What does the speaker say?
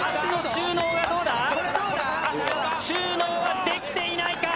収納はできていないか？